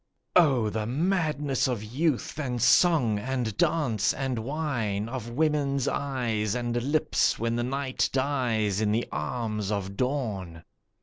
Oh the madness of youth and song and dance and wine, Of woman's eyes and lips, when the night dies in the arms of dawn!